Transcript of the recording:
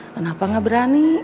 kenapa gak berani